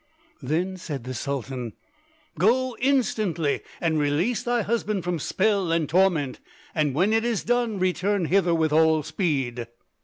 Then said the Sultan, "Go instantly and release thy husband from spell and torment: and when it is done, return hither with all speed."